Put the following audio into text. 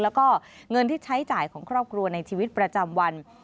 แล้วก็เงินที่ใช้จ่ายของครอบครัวในชีวิตประจำวัน